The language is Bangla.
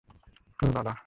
ও লা লা!